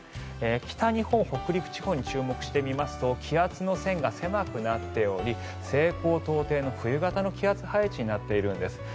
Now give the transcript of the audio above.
北日本、北陸地方に注目して見てみますと気圧の線が狭くなっており西高東低の冬型の気圧配置になっているんです。